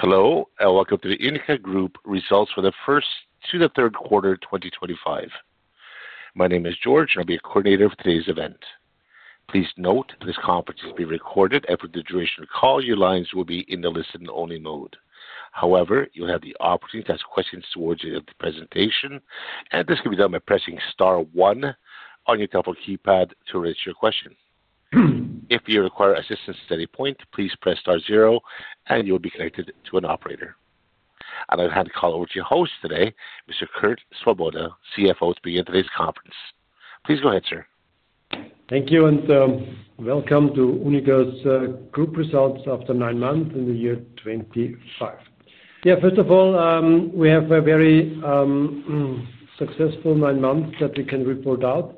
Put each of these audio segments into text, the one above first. Hello, and welcome to the UNIQA Group Results for the First to the Third Quarter of 2025. My name is George, and I'll be your coordinator for today's event. Please note that this conference is being recorded, and for the duration of the call, your lines will be in the listen-only mode. However, you'll have the opportunity to ask questions towards the end of the presentation, and this can be done by pressing Star 1 on your telephone keypad to raise your question. If you require assistance at any point, please press Star 0, and you'll be connected to an operator. I hand the call over to your host today, Mr. Kurt Svoboda, CFO, to begin today's conference. Please go ahead, sir. Thank you, and welcome to UNIQA Group results after nine months in the year 2025. Yeah, first of all, we have a very successful nine months that we can report out.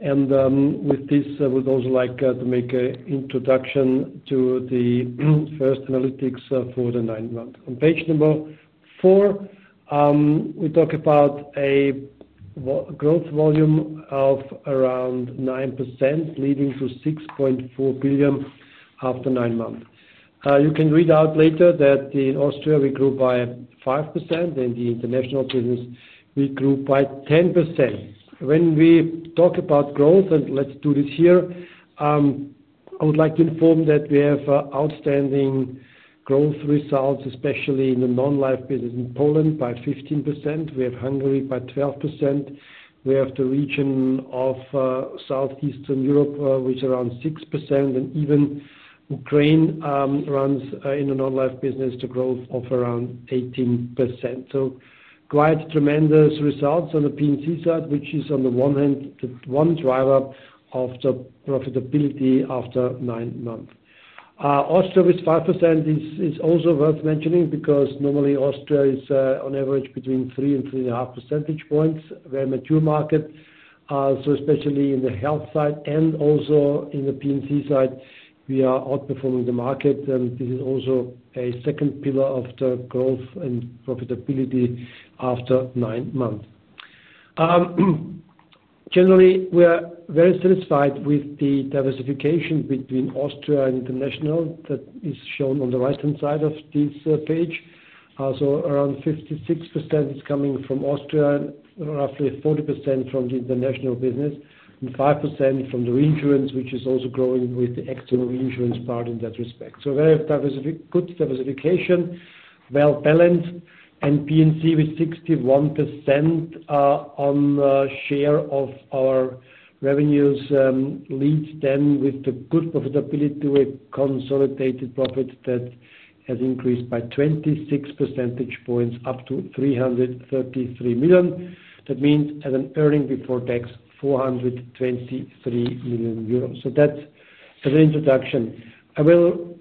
With this, I would also like to make an introduction to the first analytics for the nine months. On page number four, we talk about a growth volume of around 9%, leading to 6.4 billion after nine months. You can read out later that in Austria, we grew by 5%, and in international business, we grew by 10%. When we talk about growth, and let's do this here, I would like to inform that we have outstanding growth results, especially in the non-life business in Poland, by 15%. We have Hungary by 12%. We have the region of Southeastern Europe, which is around 6%, and even Ukraine runs in the non-life business to growth of around 18%. Quite tremendous results on the P&C side, which is, on the one hand, the one driver of the profitability after nine months. Austria with 5% is also worth mentioning because normally Austria is, on average, between 3 and 3.5 percentage points, a very mature market. Especially in the health side and also in the P&C side, we are outperforming the market, and this is also a second pillar of the growth and profitability after nine months. Generally, we are very satisfied with the diversification between Austria and international that is shown on the right-hand side of this page. Around 56% is coming from Austria, roughly 40% from the international business, and 5% from the reinsurance, which is also growing with the external reinsurance part in that respect. Very good diversification, well-balanced, and P&C with 61% on share of our revenues leads then with the good profitability with consolidated profit that has increased by 26 percentage points up to 333 million. That means an earning before tax of 423 million euros. That is an introduction. I will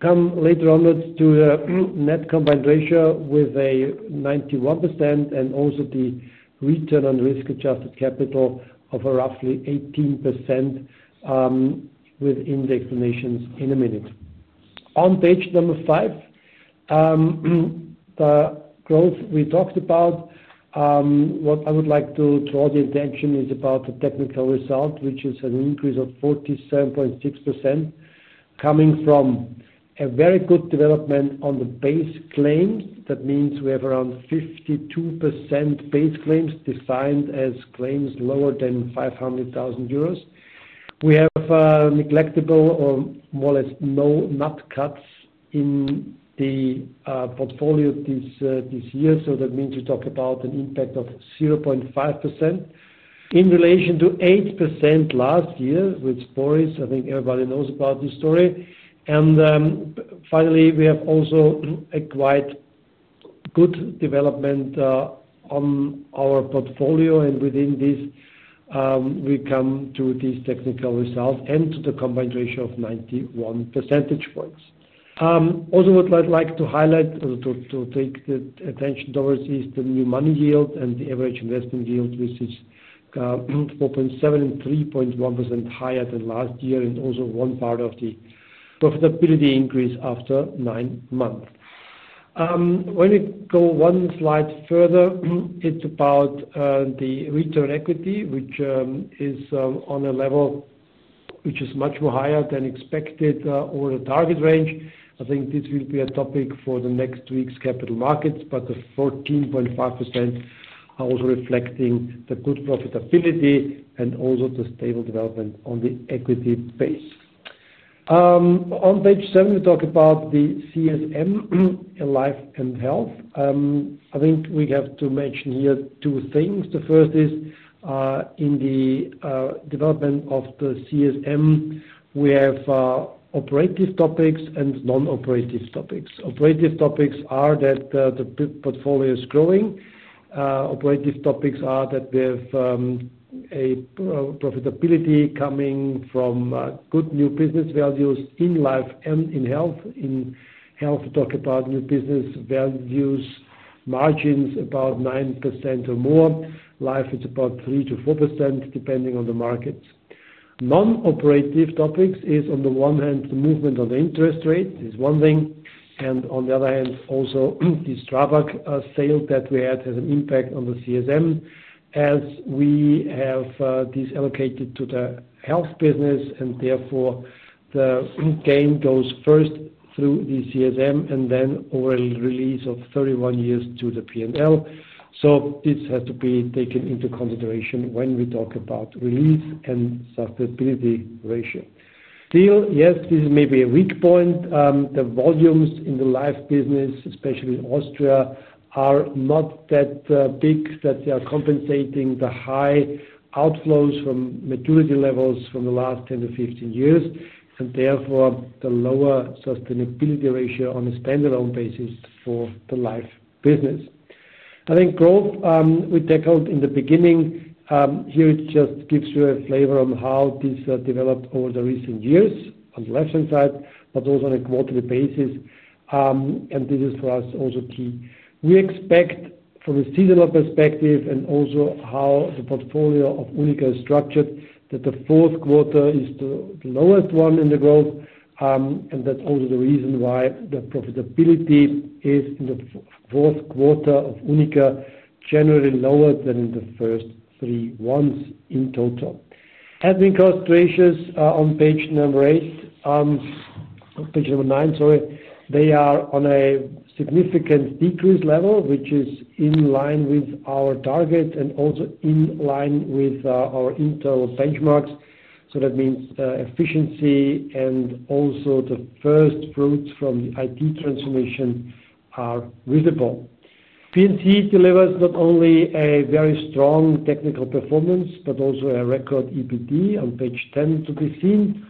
come later on to the net combined ratio with a 91% and also the return on risk-adjusted capital of roughly 18% with index donations in a minute. On page number five, the growth we talked about, what I would like to draw the attention to is about the technical result, which is an increase of 47.6% coming from a very good development on the base claims. That means we have around 52% base claims defined as claims lower than 500,000 euros. We have neglectable or more or less no nat cats in the portfolio this year. That means we talk about an impact of 0.5% in relation to 8% last year with Boris. I think everybody knows about this story. Finally, we have also a quite good development on our portfolio, and within this, we come to these technical results and to the combined ratio of 91 percentage points. Also, what I'd like to highlight or to take attention towards is the new money yield and the average investment yield, which is 4.7% and 3.1% higher than last year, and also one part of the profitability increase after nine months. When we go one slide further, it's about the return on equity, which is on a level which is much more higher than expected or the target range. I think this will be a topic for next week's capital markets, but the 14.5% also reflecting the good profitability and also the stable development on the equity base. On page seven, we talk about the CSM, Life and Health. I think we have to mention here two things. The first is in the development of the CSM, we have operative topics and non-operative topics. Operative topics are that the portfolio is growing. Operative topics are that we have a profitability coming from good new business values in life and in health. In health, we talk about new business values, margins about 9% or more. Life is about 3-4%, depending on the markets. Non-operative topics is, on the one hand, the movement of the interest rate is one thing, and on the other hand, also the STRABAG SE that we had has an impact on the CSM as we have this allocated to the health business, and therefore the gain goes first through the CSM and then over a release of 31 years to the P&L. This has to be taken into consideration when we talk about release and sustainability ratio. Still, yes, this is maybe a weak point. The volumes in the life business, especially in Austria, are not that big that they are compensating the high outflows from maturity levels from the last 10 to 15 years, and therefore the lower sustainability ratio on a standalone basis for the life business. I think growth we tackled in the beginning here just gives you a flavor on how this developed over the recent years on the left-hand side, but also on a quarterly basis, and this is for us also key. We expect from a seasonal perspective and also how the portfolio of UNIQA is structured that the fourth quarter is the lowest one in the growth, and that's also the reason why the profitability is in the fourth quarter of UNIQA generally lower than the first three ones in total. Admin cost ratios on page number eight, page number nine, sorry, they are on a significant decrease level, which is in line with our target and also in line with our internal benchmarks. That means efficiency and also the first fruits from the IT transformation are visible. P&C delivers not only a very strong technical performance, but also a record EPD on page 10 to be seen.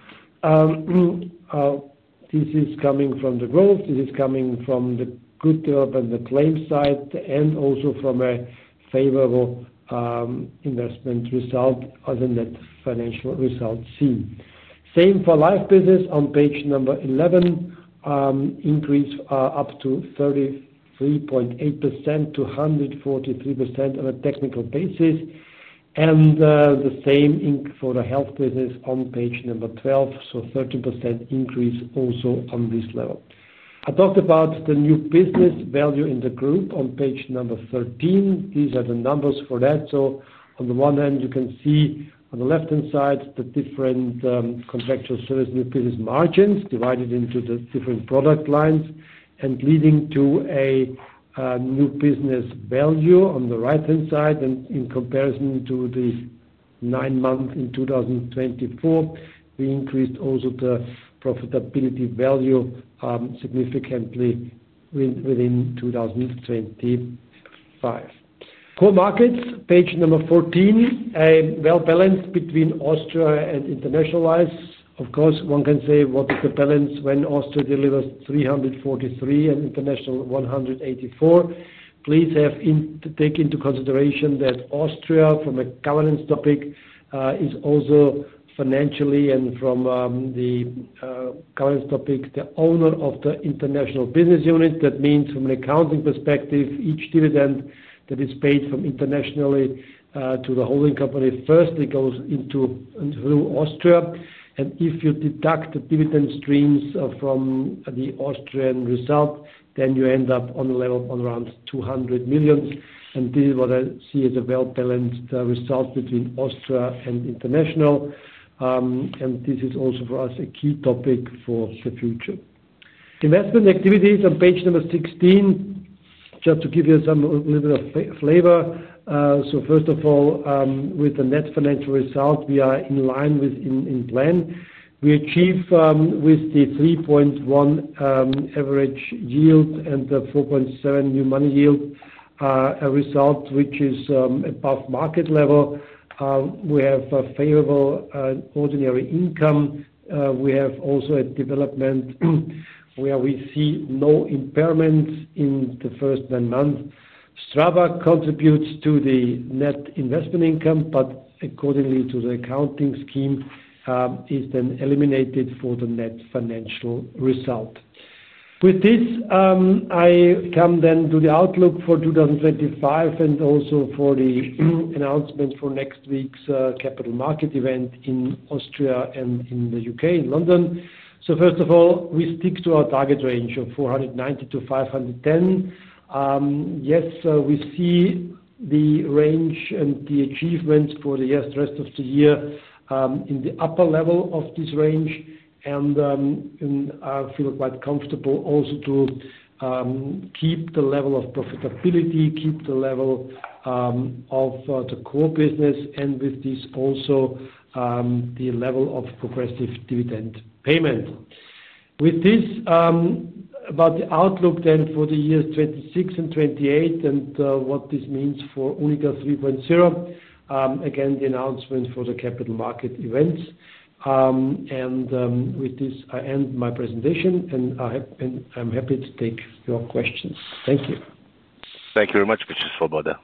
This is coming from the growth. This is coming from the good development on the claim side and also from a favorable investment result other than that financial result seen. Same for life business on page number 11, increase up to 33.8% to 143% on a technical basis, and the same for the health business on page number 12, so 13% increase also on this level. I talked about the new business value in the group on page number 13. These are the numbers for that. On the one hand, you can see on the left-hand side the different contractual service new business margins divided into the different product lines and leading to a new business value on the right-hand side. In comparison to the nine months in 2024, we increased also the profitability value significantly within 2025. Core markets, page number 14, a well-balanced between Austria and internationalized. Of course, one can say, "What is the balance when Austria delivers 343 million and international 184 million?" Please take into consideration that Austria, from a governance topic, is also financially and from the governance topic, the owner of the international business unit. That means from an accounting perspective, each dividend that is paid internationally to the holding company firstly goes through Austria. If you deduct the dividend streams from the Austrian result, then you end up on a level of around 200 million. This is what I see as a well-balanced result between Austria and international. This is also for us a key topic for the future. Investment activities on page number 16, just to give you some little bit of flavor. First of all, with the net financial result, we are in line with in plan. We achieve with the 3.1% average yield and the 4.7% new money yield a result which is above market level. We have a favorable ordinary income. We have also a development where we see no impairments in the first nine months. STRABAG contributes to the net investment income, but accordingly to the accounting scheme, is then eliminated for the net financial result. With this, I come then to the outlook for 2025 and also for the announcement for next week's capital market event in Austria and in the U.K. in London. First of all, we stick to our target range of 490 million-510 million. Yes, we see the range and the achievements for the rest of the year in the upper level of this range, and I feel quite comfortable also to keep the level of profitability, keep the level of the core business, and with this also the level of progressive dividend payment. With this, about the outlook then for the years 2026 and 2028 and what this means for UNIQA 3.0, again, the announcement for the capital market events. With this, I end my presentation, and I'm happy to take your questions. Thank you. Thank you very much, Mr. Svoboda.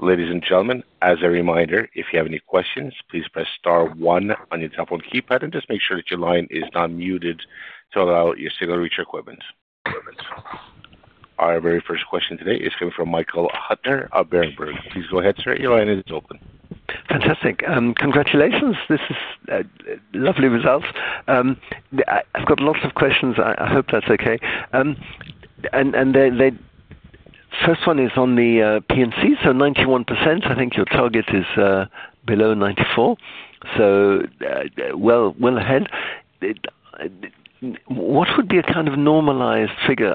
Ladies and gentlemen, as a reminder, if you have any questions, please press star one on your telephone keypad and just make sure that your line is not muted to allow your signal reaches equipment. Our very first question today is coming from Michael Huttner of Berenberg. Please go ahead, sir. Your line is open. Fantastic. Congratulations. This is lovely results. I've got lots of questions. I hope that's okay. The first one is on the P&C, so 91%. I think your target is below 94%. So well ahead. What would be a kind of normalized figure?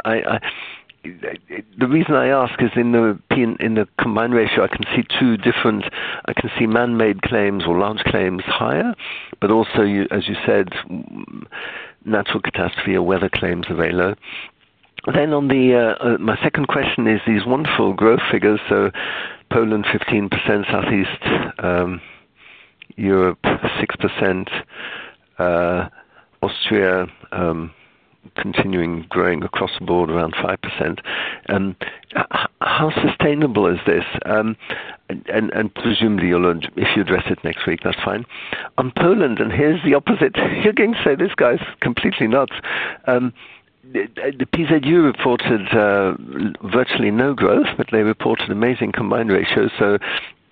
The reason I ask is in the combined ratio, I can see two different, I can see man-made claims or large claims higher, but also, as you said, natural catastrophe or weather claims are very low. My second question is these wonderful growth figures. Poland, 15%; Southeast Europe, 6%; Austria continuing growing across the board around 5%. How sustainable is this? Presumably, if you address it next week, that's fine. On Poland, and here's the opposite. You're going to say, "This guy's completely nuts." PZU reported virtually no growth, but they reported amazing combined ratios.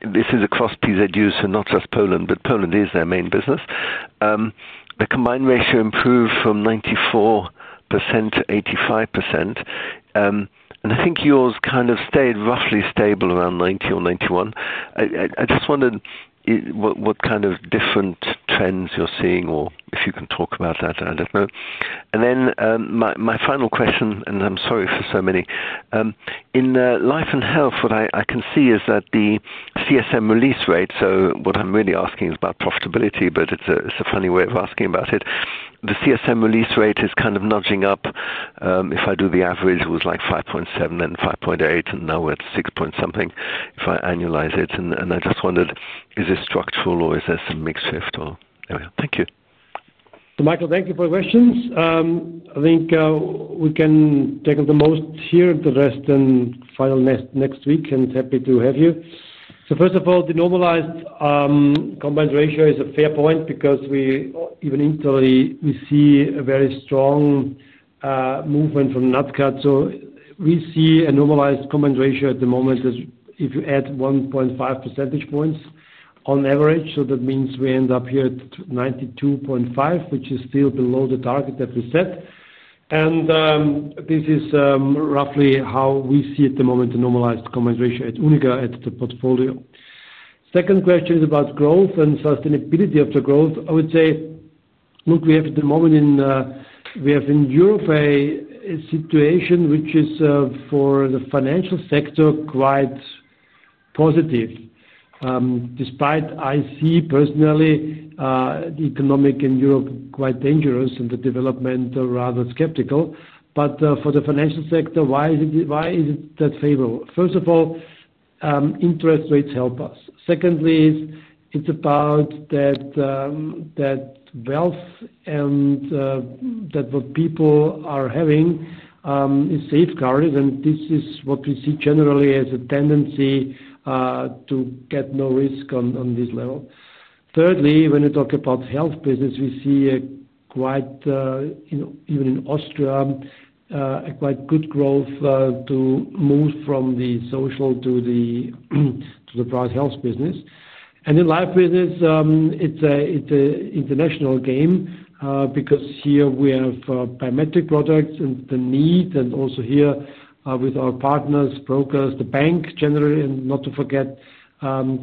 This is across PZU, so not just Poland, but Poland is their main business. The combined ratio improved from 94% to 85%. I think yours kind of stayed roughly stable around 90 or 91. I just wondered what kind of different trends you're seeing or if you can talk about that. I don't know. My final question, and I'm sorry for so many. In life and health, what I can see is that the CSM release rate, so what I'm really asking is about profitability, but it's a funny way of asking about it. The CSM release rate is kind of nudging up. If I do the average, it was like 5.7 and 5.8, and now we're at 6 point something if I annualize it. I just wondered, is this structural or is there some mix shift or anyway? Thank you. Michael, thank you for the questions. I think we can tackle the most here, the rest then final next week, and happy to have you. First of all, the normalized combined ratio is a fair point because we even internally, we see a very strong movement from Nat Cat. We see a normalized combined ratio at the moment if you add 1.5 percentage points on average. That means we end up here at 92.5%, which is still below the target that we set. This is roughly how we see at the moment the normalized combined ratio at UNIQA at the portfolio. Second question is about growth and sustainability of the growth. I would say, look, we have at the moment in we have in Europe a situation which is for the financial sector quite positive. Despite I see personally the economic in Europe quite dangerous and the development rather skeptical, but for the financial sector, why is it that favorable? First of all, interest rates help us. Secondly, it's about that wealth and that what people are having is safeguarded, and this is what we see generally as a tendency to get no risk on this level. Thirdly, when we talk about health business, we see quite even in Austria, a quite good growth to move from the social to the private health business. In life business, it's an international game because here we have biometric products and the need and also here with our partners, brokers, the bank generally, and not to forget,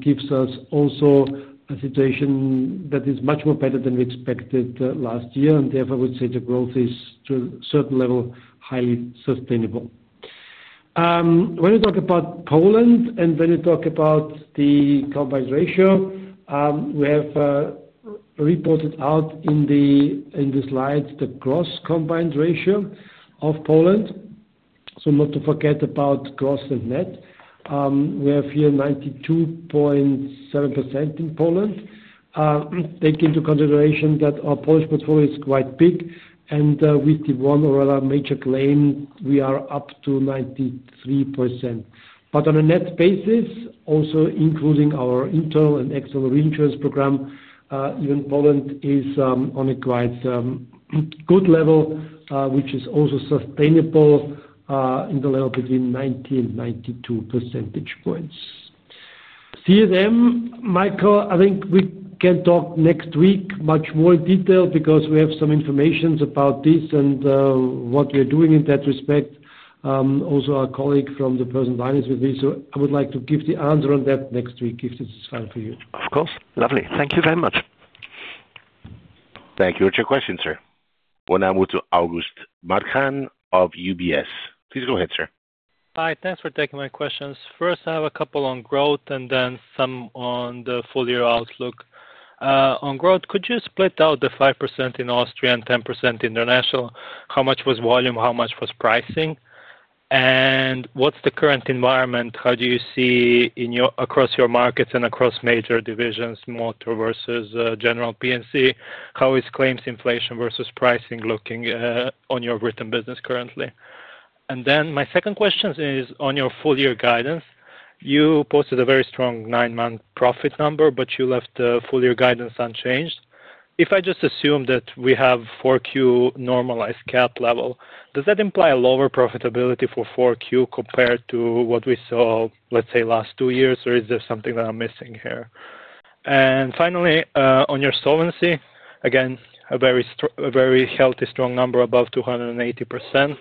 gives us also a situation that is much more better than we expected last year. Therefore, I would say the growth is to a certain level highly sustainable. When we talk about Poland and when we talk about the combined ratio, we have reported out in the slides the gross combined ratio of Poland. Not to forget about gross and net. We have here 92.7% in Poland. Taking into consideration that our Polish portfolio is quite big and with the one or other major claim, we are up to 93%. On a net basis, also including our internal and external reinsurance program, even Poland is on a quite good level, which is also sustainable in the level between 90-92 percentage points. CSM, Michael, I think we can talk next week much more in detail because we have some information about this and what we're doing in that respect. Also, our colleague from the person's line is with me, so I would like to give the answer on that next week if this is fine for you. Of course. Lovely. Thank you very much. Thank you. What's your question, sir? One hour to August Marčan of UBS. Please go ahead, sir. Hi. Thanks for taking my questions. First, I have a couple on growth and then some on the full year outlook. On growth, could you split out the 5% in Austria and 10% international? How much was volume, how much was pricing? What's the current environment? How do you see across your markets and across major divisions, motor versus general P&C? How is claims inflation versus pricing looking on your written business currently? My second question is on your full year guidance. You posted a very strong nine-month profit number, but you left the full year guidance unchanged. If I just assume that we have Q4 normalized cap level, does that imply a lower profitability for Q4 compared to what we saw, let's say, last two years, or is there something that I'm missing here? Finally, on your solvency, again, a very healthy, strong number above 280%.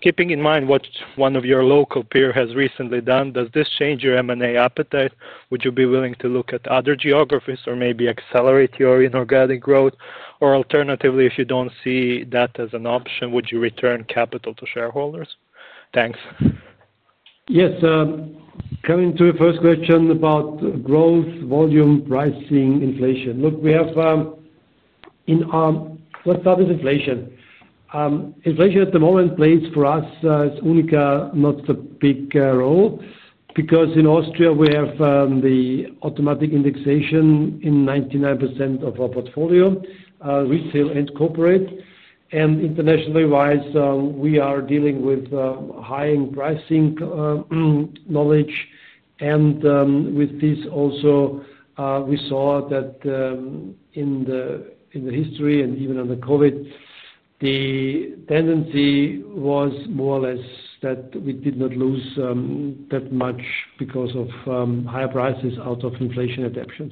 Keeping in mind what one of your local peers has recently done, does this change your M&A appetite? Would you be willing to look at other geographies or maybe accelerate your inorganic growth? Alternatively, if you do not see that as an option, would you return capital to shareholders? Thanks. Yes. Coming to the first question about growth, volume, pricing, inflation. Look, we have in our let's start with inflation. Inflation at the moment plays for us, UNIQA, not a big role because in Austria, we have the automatic indexation in 99% of our portfolio, retail and corporate. Internationally-wise, we are dealing with high-end pricing knowledge. With this, also, we saw that in the history and even on the COVID, the tendency was more or less that we did not lose that much because of higher prices out of inflation adaptation.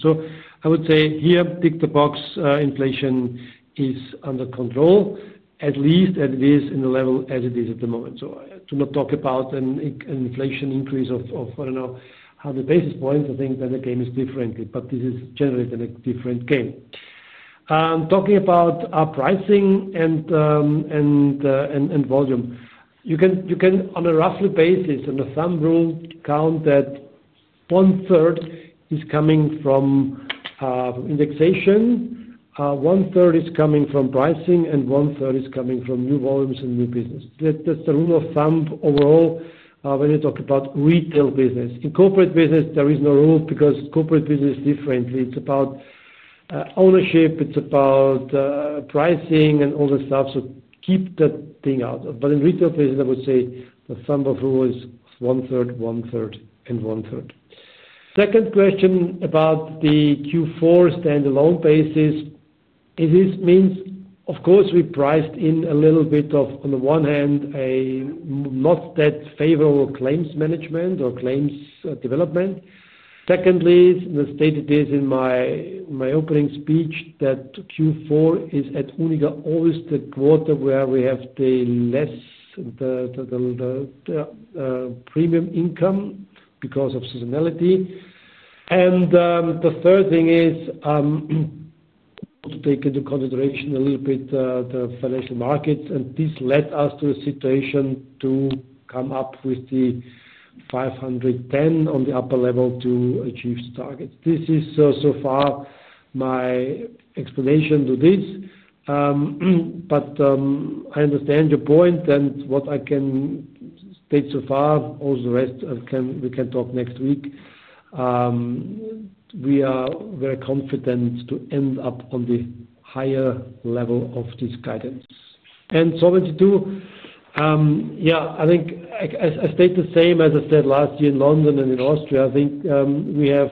I would say here, tick the box, inflation is under control, at least as it is in the level as it is at the moment. To not talk about an inflation increase of, I do not know, 100 basis points, I think that the game is different. This is generally a different game. Talking about pricing and volume, you can, on a roughly basis, on a thumb rule, count that one-third is coming from indexation, one-third is coming from pricing, and one-third is coming from new volumes and new business. That's the rule of thumb overall when you talk about retail business. In corporate business, there is no rule because corporate business is different. It's about ownership, it's about pricing, and all this stuff. Keep that thing out. In retail business, I would say the thumb of rule is one-third, one-third, and one-third. Second question about the Q4 standalone basis, this means, of course, we priced in a little bit of, on the one hand, a not that favorable claims management or claims development. Secondly, as I stated this in my opening speech, Q4 is at UNIQA always the quarter where we have the less premium income because of seasonality. The third thing is to take into consideration a little bit the financial markets, and this led us to a situation to come up with the 510 on the upper level to achieve targets. This is so far my explanation to this. I understand your point and what I can state so far. All the rest, we can talk next week. We are very confident to end up on the higher level of this guidance. Solvency II, yeah, I think I state the same as I said last year in London and in Austria. I think we have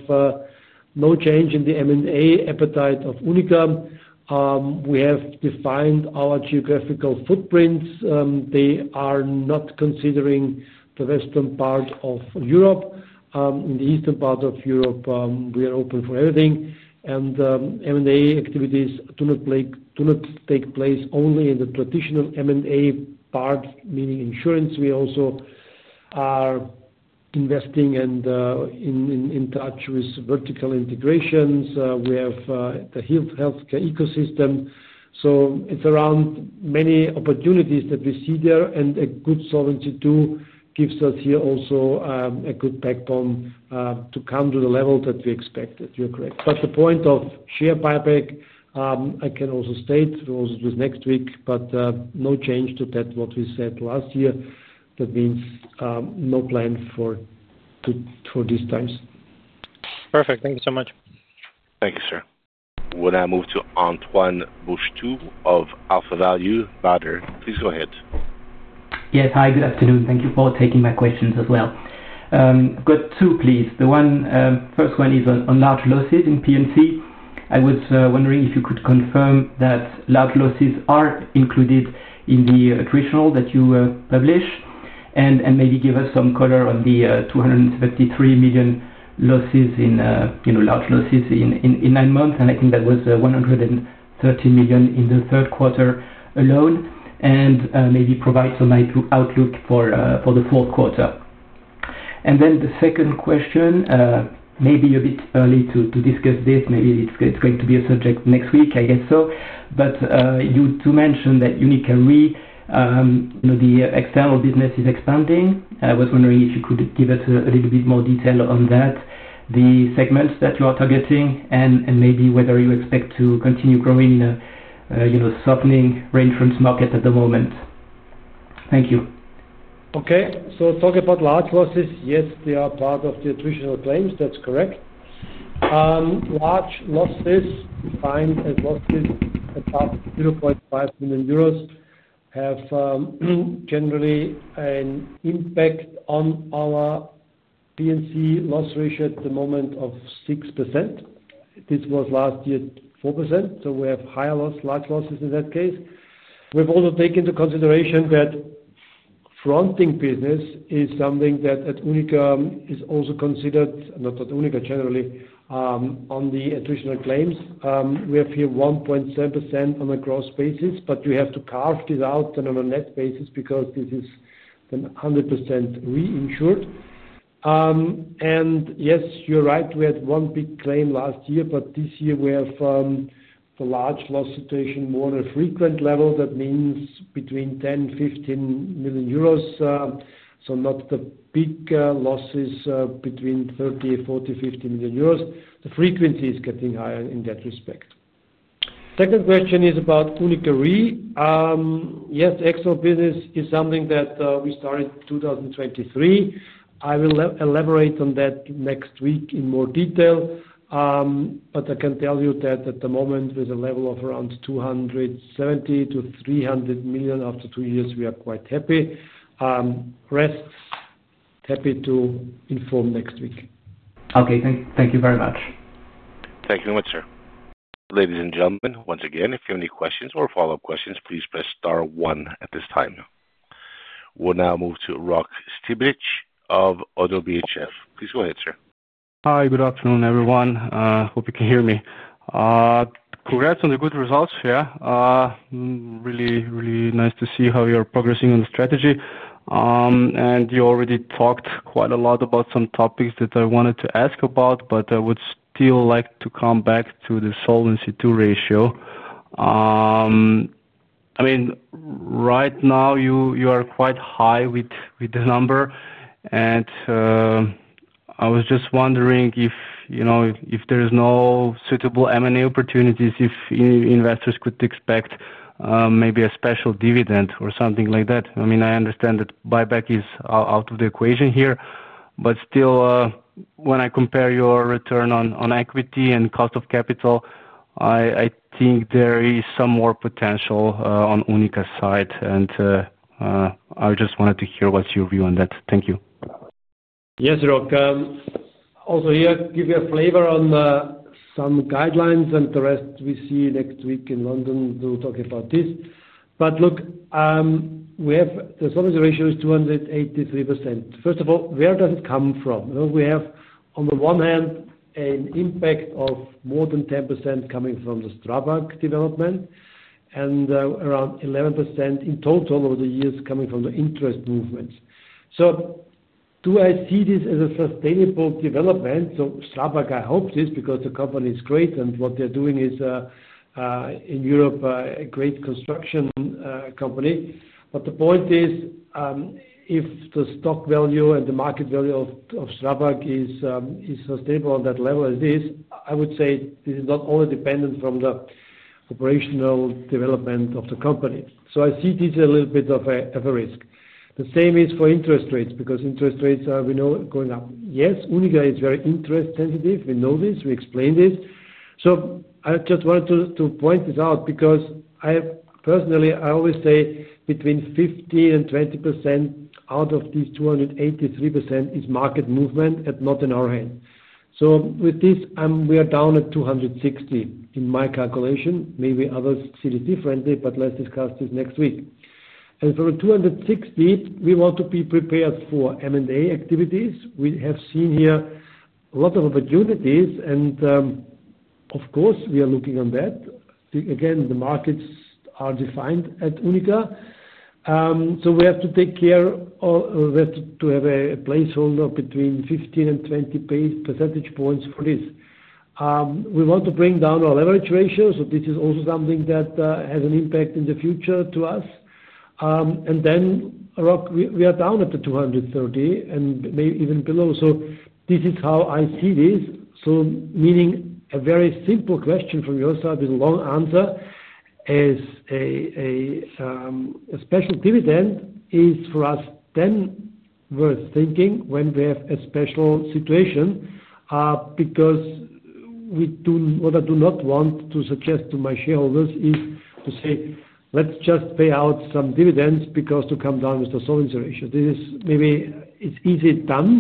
no change in the M&A appetite of UNIQA. We have defined our geographical footprints. They are not considering the western part of Europe. In the eastern part of Europe, we are open for everything. M&A activities do not take place only in the traditional M&A part, meaning insurance. We also are investing and in touch with vertical integrations. We have the healthcare ecosystem. It is around many opportunities that we see there, and a good Solvency II gives us here also a good backbone to come to the level that we expected. You're correct. The point of share buyback, I can also state, we'll also do it next week, but no change to that what we said last year. That means no plan for these times. Perfect. Thank you so much. Thank you, sir. When I move to Antoine Bouchetoux of AlphaValue. Please go ahead. Yes. Hi. Good afternoon. Thank you for taking my questions as well. Got two, please. The first one is on large losses in P&C. I was wondering if you could confirm that large losses are included in the traditional that you publish and maybe give us some color on the 273 million losses in large losses in nine months. I think that was 130 million in the third quarter alone, and maybe provide some outlook for the fourth quarter. The second question, maybe a bit early to discuss this, maybe it's going to be a subject next week, I guess so, but you do mention that UNIQA Re, the external business is expanding. I was wondering if you could give us a little bit more detail on that, the segments that you are targeting, and maybe whether you expect to continue growing in a softening reinsurance market at the moment. Thank you. Okay. Talking about large losses, yes, they are part of the traditional claims. That's correct. Large losses, defined as losses at EUR 500,000, have generally an impact on our P&C loss ratio at the moment of 6%. This was last year 4%. We have higher large losses in that case. We've also taken into consideration that fronting business is something that at UNIQA is also considered, not at UNIQA generally, on the additional claims. We have here 1.7% on a gross basis, but you have to carve this out on a net basis because this is 100% reinsured. Yes, you're right, we had one big claim last year, but this year we have the large loss situation more on a frequent level. That means between 10 million euros and 15 million euros. Not the big losses between 30 million euros and 40 million-50 million euros. The frequency is getting higher in that respect. Second question is about UNIQA Re. Yes, the external business is something that we started 2023. I will elaborate on that next week in more detail, but I can tell you that at the moment, with a level of around 270 million-300 million after two years, we are quite happy. Rest, happy to inform next week. Okay. Thank you very much. Thank you very much, sir. Ladies and gentlemen, once again, if you have any questions or follow-up questions, please press star one at this time. We'll now move to Rok Štibrić of Erste Group. Please go ahead, sir. Hi. Good afternoon, everyone. Hope you can hear me. Congrats on the good results. Yeah. Really, really nice to see how you're progressing on the strategy. You already talked quite a lot about some topics that I wanted to ask about, but I would still like to come back to the solvency II ratio. I mean, right now, you are quite high with the number, and I was just wondering if there is no suitable M&A opportunities, if investors could expect maybe a special dividend or something like that. I mean, I understand that buyback is out of the equation here, but still, when I compare your return on equity and cost of capital, I think there is some more potential on UNIQA's side. I just wanted to hear what's your view on that. Thank you. Yes, Rok. Also here, give you a flavor on some guidelines, and the rest we see next week in London to talk about this. Look, the solvency ratio is 283%. First of all, where does it come from? We have, on the one hand, an impact of more than 10% coming from the STRABAG development and around 11% in total over the years coming from the interest movements. Do I see this as a sustainable development? STRABAG, I hope this because the company is great, and what they're doing is, in Europe, a great construction company. The point is, if the stock value and the market value of STRABAG is sustainable on that level as it is, I would say this is not only dependent from the operational development of the company. I see this as a little bit of a risk. The same is for interest rates because interest rates are going up. Yes, UNIQA is very interest-sensitive. We know this. We explain this. I just wanted to point this out because personally, I always say between 15% and 20% out of these 283% is market movement, not in our hands. With this, we are down at 260% in my calculation. Maybe others see this differently, but let's discuss this next week. For the 260%, we want to be prepared for M&A activities. We have seen here a lot of opportunities, and of course, we are looking on that. The markets are defined at UNIQA. We have to take care of, we have to have a placeholder between 15% and 20% percentage points for this. We want to bring down our leverage ratio. This is also something that has an impact in the future to us. Rok, we are down at the 230 and maybe even below. This is how I see this. Meaning a very simple question from your side with a long answer is a special dividend is for us then worth thinking when we have a special situation because what I do not want to suggest to my shareholders is to say, "Let's just pay out some dividends because to come down with the solvency ratio." This is maybe it's easy done,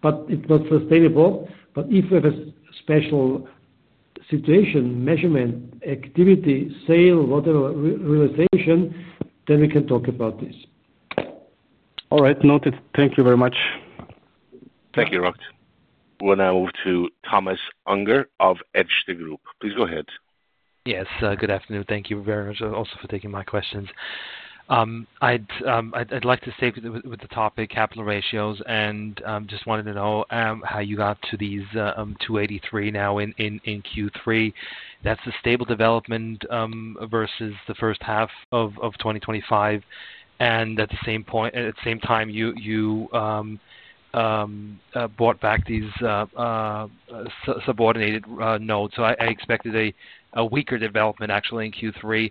but it's not sustainable. If we have a special situation, measurement, activity, sale, whatever realization, then we can talk about this. All right. Noted. Thank you very much. Thank you, Rok. When I move to Thomas Unger of Erste Group. Please go ahead. Yes. Good afternoon. Thank you very much also for taking my questions. I'd like to stay with the topic, capital ratios, and just wanted to know how you got to these 283 now in Q3. That's the stable development versus the first half of 2025. At the same time, you bought back these subordinated notes. I expected a weaker development actually in Q3.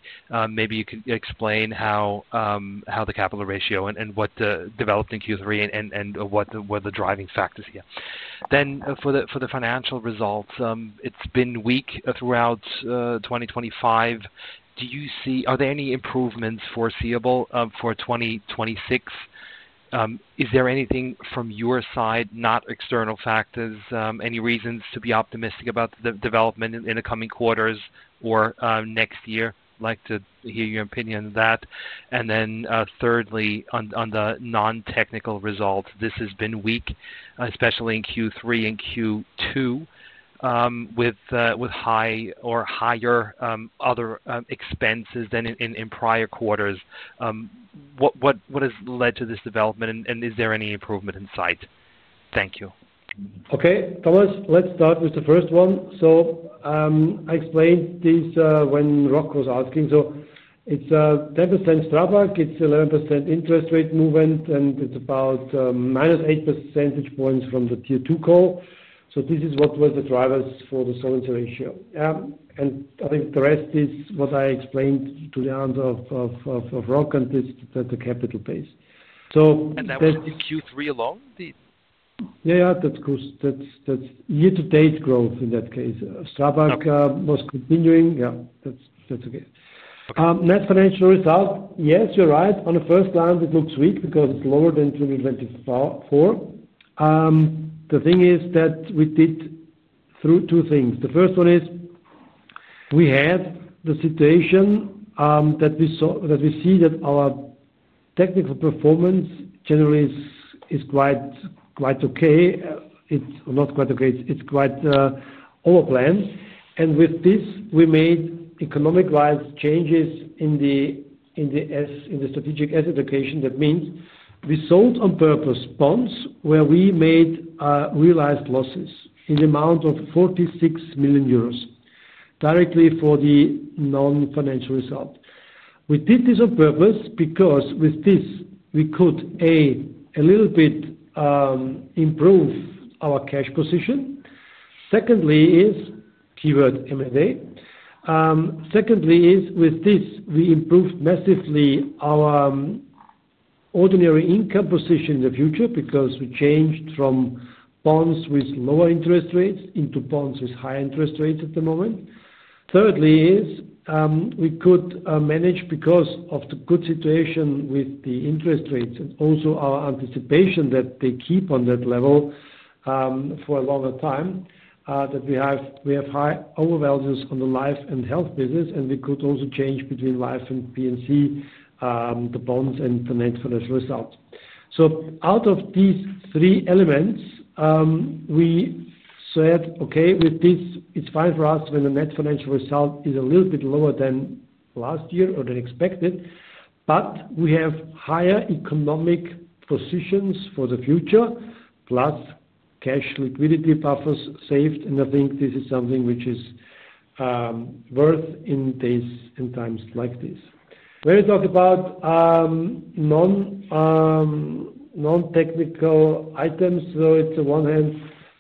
Maybe you could explain how the capital ratio and what developed in Q3 and what were the driving factors here. For the financial results, it's been weak throughout 2025. Are there any improvements foreseeable for 2026? Is there anything from your side, not external factors, any reasons to be optimistic about the development in the coming quarters or next year? I'd like to hear your opinion on that. Thirdly, on the non-technical results, this has been weak, especially in Q3 and Q2 with high or higher other expenses than in prior quarters. What has led to this development, and is there any improvement in sight? Thank you. Okay. Thomas, let's start with the first one. I explained this when Rok was asking. It's 10% STRABAG, it's 11% interest rate movement, and it's about minus 8 percentage points from the tier two call. This is what were the drivers for the solvency ratio. I think the rest is what I explained to the answer of Rok, and this is the capital base. That was in Q3 alone? Yeah. Yeah. That's year-to-date growth in that case. STRABAG was continuing. Yeah. That's okay. Net financial result, yes, you're right. On the first line, it looks weak because it's lower than 2024. The thing is that we did two things. The first one is we have the situation that we see that our technical performance generally is quite okay. It's not quite okay. It's quite overplanned. With this, we made economic-wise changes in the strategic asset allocation. That means we sold on purpose bonds where we made realized losses in the amount of 46 million euros directly for the non-financial result. We did this on purpose because with this, we could, A, a little bit improve our cash position. Secondly is keyword M&A. Secondly is with this, we improved massively our ordinary income position in the future because we changed from bonds with lower interest rates into bonds with higher interest rates at the moment. Thirdly is we could manage because of the good situation with the interest rates and also our anticipation that they keep on that level for a longer time, that we have high overvalues on the life and health business, and we could also change between life and P&C, the bonds and the net financial result. Out of these three elements, we said, "Okay, with this, it's fine for us when the net financial result is a little bit lower than last year or than expected, but we have higher economic positions for the future, plus cash liquidity buffers saved." I think this is something which is worth in days and times like this. When we talk about non-technical items, it is on one hand,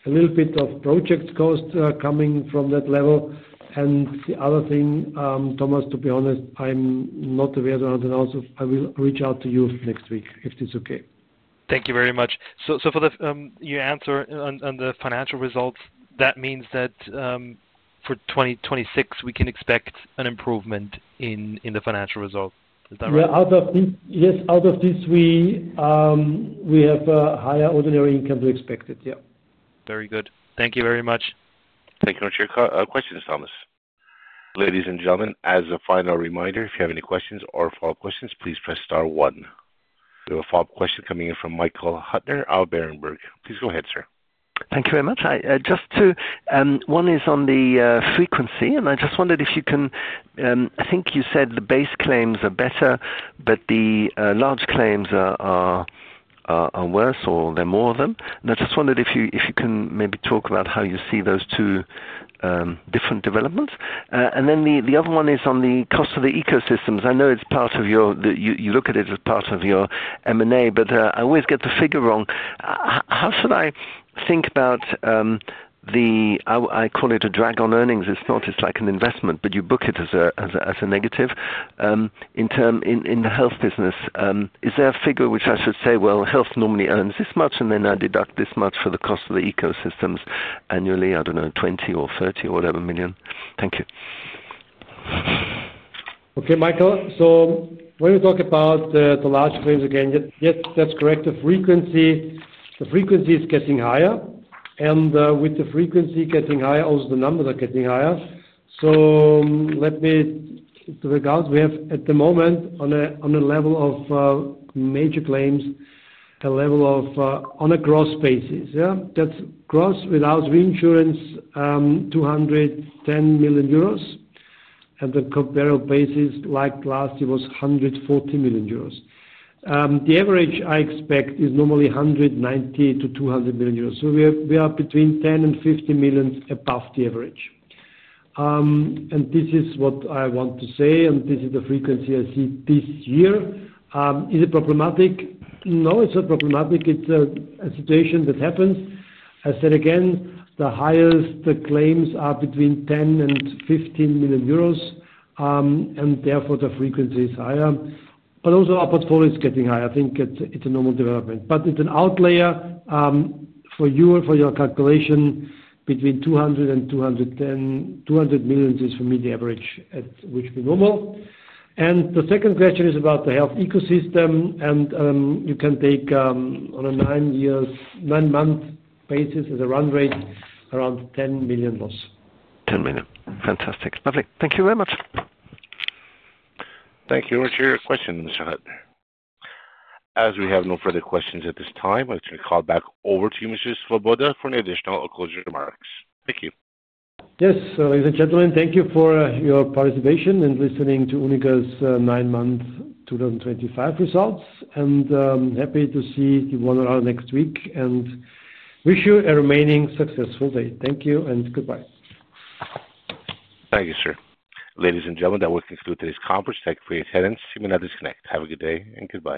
a little bit of project cost coming from that level. The other thing, Thomas, to be honest, I'm not aware of the answer. I will reach out to you next week if it's okay. Thank you very much. For your answer on the financial results, that means that for 2026, we can expect an improvement in the financial result. Is that right? Yeah. Yes. Out of this, we have a higher ordinary income to expect it. Yeah. Very good. Thank you very much. Thank you very much. Your question is, Thomas. Ladies and gentlemen, as a final reminder, if you have any questions or follow-up questions, please press star one. We have a follow-up question coming in from Michael Huttner out of Berenberg. Please go ahead, sir. Thank you very much. Just one is on the frequency, and I just wondered if you can I think you said the base claims are better, but the large claims are worse or there are more of them. I just wondered if you can maybe talk about how you see those two different developments. The other one is on the cost of the ecosystems. I know it's part of your you look at it as part of your M&A, but I always get the figure wrong. How should I think about the I call it a drag on earnings. It's not. It's like an investment, but you book it as a negative. In the health business, is there a figure which I should say, "Well, health normally earns this much," and then I deduct this much for the cost of the ecosystems annually, I don't know, 20 or 30 or whatever million? Thank you. Okay, Michael. When we talk about the large claims again, yes, that's correct. The frequency is getting higher. With the frequency getting higher, also the numbers are getting higher. Let me regard we have at the moment on a level of major claims, a level of on a gross basis. Yeah. That's gross without reinsurance, 210 million euros. The comparable basis like last year was 140 million euros. The average I expect is normally 190-200 million euros. We are between 10 million and 50 million above the average. This is what I want to say, and this is the frequency I see this year. Is it problematic? No, it's not problematic. It's a situation that happens. I said again, the highest claims are between 10 million and 15 million euros, and therefore the frequency is higher. Also our portfolio is getting higher. I think it's a normal development. It's an outlier for your calculation between 200 million and 210 million. 200 million is for me the average at which we are normal. The second question is about the health ecosystem, and you can take on a nine-month basis as a run rate around 10 million loss. 10 million. Fantastic. Perfect. Thank you very much. Thank you for your question, Mr. Huttner. As we have no further questions at this time, I'm going to call back over to you, Mr. Svoboda, for any additional closing remarks. Thank you. Yes. Ladies and gentlemen, thank you for your participation in listening to UNIQA's nine-month 2025 results. Happy to see you next week and wish you a remaining successful day. Thank you and goodbye. Thank you, sir. Ladies and gentlemen, that will conclude today's conference. Thank you for your attendance. You may now disconnect. Have a good day and goodbye.